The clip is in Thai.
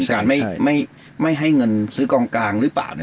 การไม่ให้เงินซื้อกองกลางหรือเปล่า